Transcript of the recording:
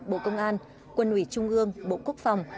bộ công an quân ủy trung ương bộ quốc phòng